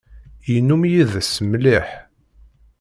Yennum yid-s mliḥ.